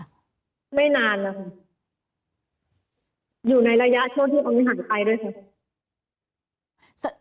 อยู่ในระยะช่วงที่มันมีหันใครด้วยค่ะ